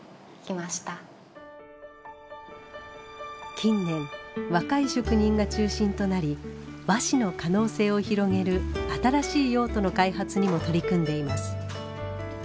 近年若い職人が中心となり和紙の可能性を広げる新しい用途の開発にも取り組んでいます。